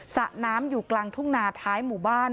สระน้ำอยู่กลางทุ่งนาท้ายหมู่บ้าน